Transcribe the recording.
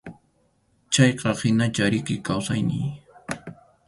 Chayqa hinachá riki kawsayniy.